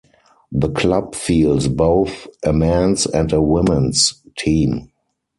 The club fields both a men's and women's team.